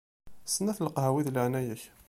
Snat n leqhawi di leɛnaya-k.